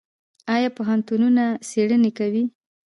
آیا پوهنتونونه څیړنې کوي؟